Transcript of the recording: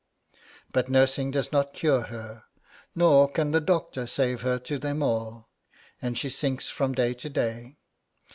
But nursing does not cure her, nor can the doctor save her to them all, and she sinks from day to day.